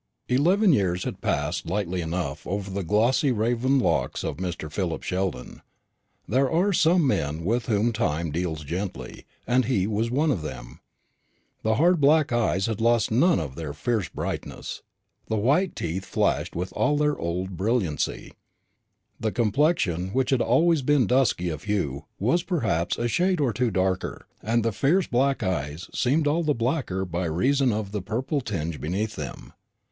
Eleven years had passed lightly enough over the glossy raven locks of Mr. Philip Sheldon. There are some men with whom Time deals gently, and he was one of them. The hard black eyes had lost none of their fierce brightness; the white teeth flashed with all their old brilliancy; the complexion, which had always been dusky of hue, was perhaps a shade or two darker; and the fierce black eyes seemed all the blacker by reason of the purple tinge beneath them.